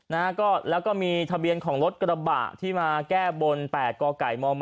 นะฮะก็แล้วก็มีทะเบียนของรถกระบะที่มาแก้บน๘กไก่มม